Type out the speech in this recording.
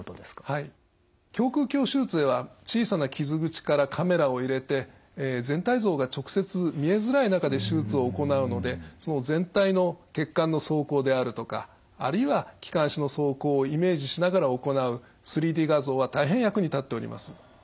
胸腔鏡手術では小さな傷口からカメラを入れて全体像が直接見えづらい中で手術を行うので全体の血管の走行であるとかあるいは気管支の走行をイメージしながら行う３Ｄ画像は大変役に立っております。